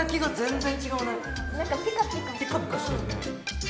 ピカピカしてるね。